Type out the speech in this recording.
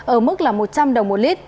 ở mức là một trăm linh đồng một lit